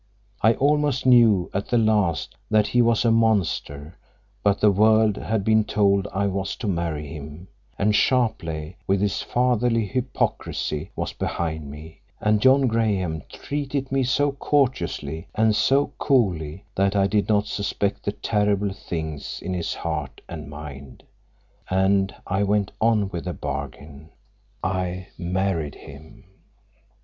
I almost knew, at the last, that he was a monster, but the world had been told I was to marry him, and Sharpleigh with his fatherly hypocrisy was behind me, and John Graham treated me so courteously and so coolly that I did not suspect the terrible things in his heart and mind—and I went on with the bargain. _I married him.